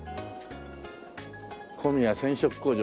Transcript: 小宮染色工場。